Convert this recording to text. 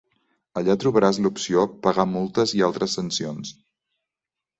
Allà trobaràs l'opció "Pagar multes i altres sancions".